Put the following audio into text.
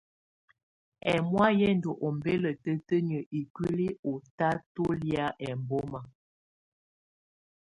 Ɛmɔ̀á yɛ̀ ndù ɔmbɛla tǝtǝniǝ́ ikuili ù tà tù lɛ̀á ɛmbɔma.